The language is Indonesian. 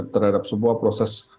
terhadap semua proses